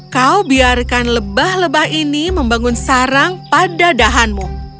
kau biarkan lebah lebah ini membangun sarang pada dahanmu